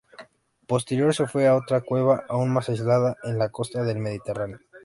Posteriormente se fue a otra cueva aún más aislada, en la costa del Mediterráneo.